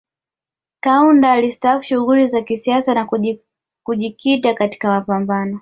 Kaunda alistaafu shughuli za kisiasa na kujikita katika mapambano